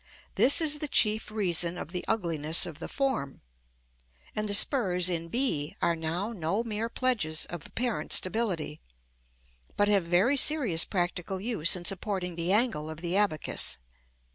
This is the chief reason of the ugliness of the form; and the spurs in b are now no mere pledges of apparent stability, but have very serious practical use in supporting the angle of the abacus.